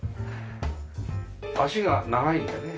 足が長いんだよね。